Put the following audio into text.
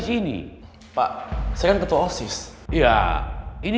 siapa yang pilih ini